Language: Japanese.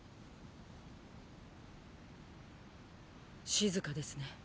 静かですね。